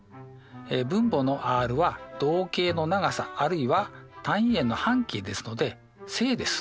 分母のｒは動径の長さあるいは単位円の半径ですので正です。